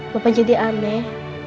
bapak jadi aneh